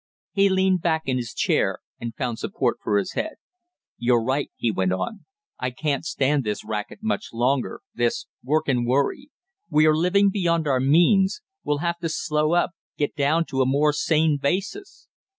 He leaned back in his chair and found support for his head. "You're right," he went on, "I can't stand this racket much longer this work and worry; we are living beyond our means; we'll have to slow up, get down to a more sane basis."